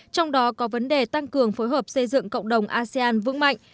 trong đó có vấn đề tăng cường phối hợp xây dựng cộng đồng asean vững mạnh